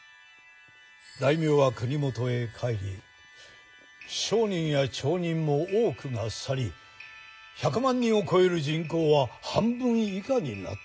大名は国元へ帰り商人や町人も多くが去り１００万人を超える人口は半分以下になった。